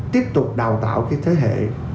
tiếp tục đào tạo cái thế hệ